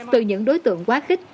từ những đối tượng quá khích